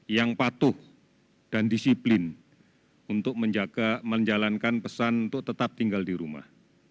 yang patuh dan disiplin untuk menjaga menjalankan pesan untuk tetap tinggal di rumah